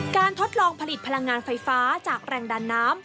ทดลองผลิตพลังงานไฟฟ้าจากแรงดันน้ำ